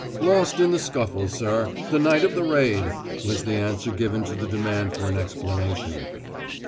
"Lost in the scuffle, sir, the night of the raid," was the answer given to the demand for an explanation.